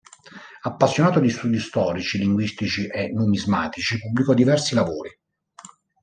Appassionato di studi storici, linguistici e numismatici, pubblicò diversi lavori.